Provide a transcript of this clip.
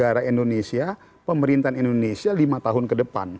negara indonesia pemerintahan indonesia lima tahun ke depan